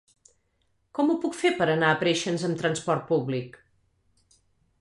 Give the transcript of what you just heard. Com ho puc fer per anar a Preixens amb trasport públic?